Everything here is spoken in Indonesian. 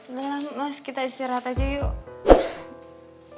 udah lah mas kita istirahat aja yuk